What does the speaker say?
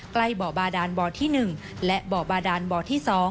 ใกล้บ่อบาดานบ่อที่๑และบ่อบาดานบ่อที่๒